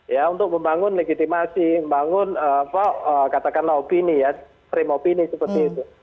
ya untuk membangun legitimasi membangun katakanlah opini ya frame opini seperti itu